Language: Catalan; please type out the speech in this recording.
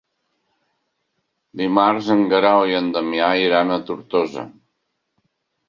Dimarts en Guerau i en Damià iran a Tortosa.